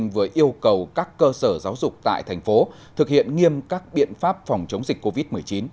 vừa yêu cầu các cơ sở giáo dục tại thành phố thực hiện nghiêm các biện pháp phòng chống dịch covid một mươi chín